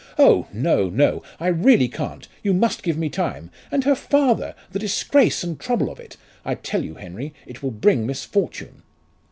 Oh! no, no; I really can't; you must give me time. And her father the disgrace and trouble of it! I tell you, Henry, it will bring misfortune!"